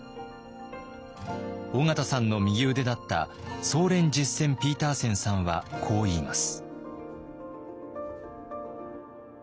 緒方さんの右腕だったソーレン・ジェッセン・ピーターセンさんはこう言います。